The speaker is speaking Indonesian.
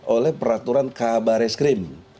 oleh peraturan kabar eskrim